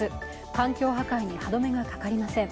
環境破壊に歯止めがかかりません。